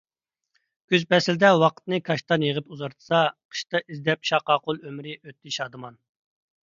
كۈز پەسلىدە ۋاقتىنى كاشتان يىغىپ ئۇزارتسا، قىشتا ئىزدەپ شاقاقۇل ئۆمرى ئۆتتى شادىمان.